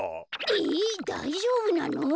えっだいじょうぶなの？